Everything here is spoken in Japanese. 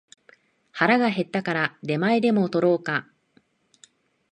腹が減ったから出前でも取ろうか